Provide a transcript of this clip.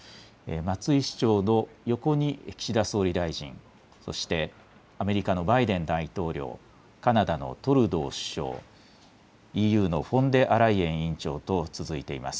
松井市長の横に岸田総理大臣、そしてアメリカのバイデン大統領、カナダのトルドー首相、ＥＵのフォンデアライエン委員長と続いています。